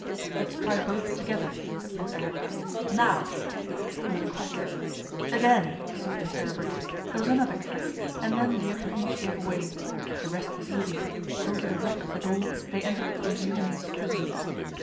'Let's try both together,' said Prince Aribert. 'Now!' There was a crack. 'Again,' said Prince Aribert. There was another crack, and then the upper hinge gave way. The rest was easy. Over the wreck of the door they entered Prince Eugen's prison.